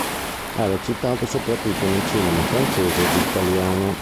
Ha recitato soprattutto nel cinema francese ed italiano.